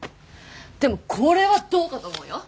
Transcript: でもこれはどうかと思うよ。